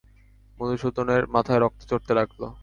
মধুসূদনের মাথায় রক্ত চড়তে লাগল।